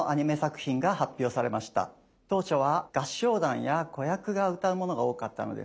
当初は合唱団や子役が歌うものが多かったのです。